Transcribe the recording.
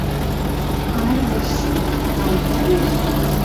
А Ӹрвӹжшӹ: «Тау тӓреш?..